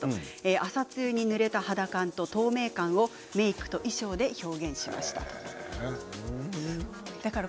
朝露にぬれた肌感と透明感をメークと衣装で表現をしたということです。